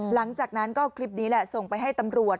หลังจากนั้นก็คลิปนี้แหละส่งไปให้ตำรวจ